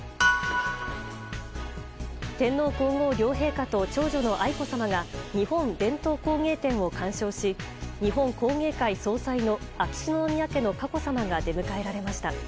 天皇・皇后両陛下と長女の愛子さまが日本伝統工芸展を鑑賞し日本工芸会総裁の秋篠宮家の佳子さまが出迎えられました。